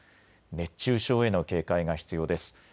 熱中症への警戒が必要です。